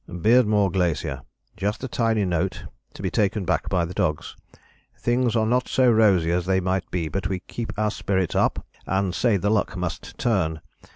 "Beardmore Glacier. Just a tiny note to be taken back by the dogs. Things are not so rosy as they might be, but we keep our spirits up and say the luck must turn.